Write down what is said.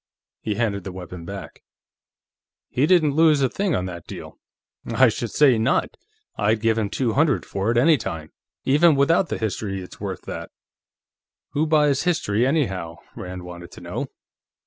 He handed the weapon back. "He didn't lose a thing on that deal." "I should say not! I'd give him two hundred for it, any time. Even without the history, it's worth that." "Who buys history, anyhow?" Rand wanted to know.